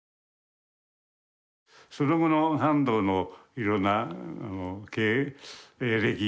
その後の半藤のいろんな経歴